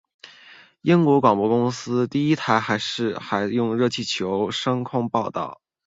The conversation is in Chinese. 英国广播公司第一台还用热气球升空报导。